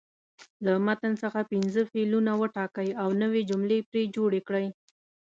له متن څخه پنځه فعلونه وټاکئ او نوې جملې پرې جوړې کړئ.